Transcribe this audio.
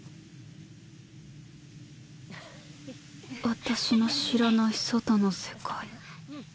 私の知らない外の世界。